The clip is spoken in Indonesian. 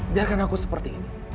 biarkan aku seperti ini